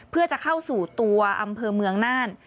เพื่อจะเข้าสู่ตัวอำเภอเมืองน่าน